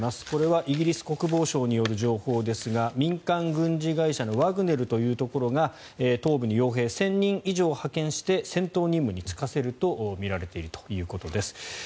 これはイギリス国防省による情報ですが民間軍事会社のワグネルというところが東部に傭兵１０００人以上を派遣して戦闘任務に就かせるとみられているということです。